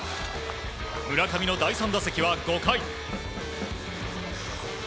村上の第３打席は５回。